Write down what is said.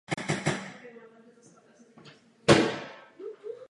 Film je dostupný zdarma.